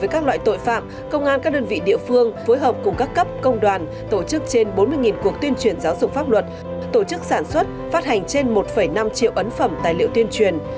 với các loại tội phạm công an các đơn vị địa phương phối hợp cùng các cấp công đoàn tổ chức trên bốn mươi cuộc tuyên truyền giáo dục pháp luật tổ chức sản xuất phát hành trên một năm triệu ấn phẩm tài liệu tuyên truyền